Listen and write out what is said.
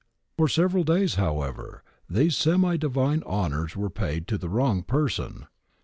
* For several days, however, these semi divine honours were paid to the wrong person.